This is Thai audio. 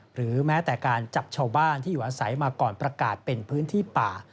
หรือแม้แต่การจับชาวบ้านที่อยู่อาศัยมาก่อนประกาศเป็นพื้นที่ป่า